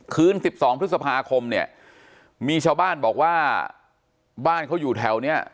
คืน๑๒พฤษภาคมเนี่ยมีชาวบ้านบอกว่าบ้านเขาอยู่แถวเนี่ย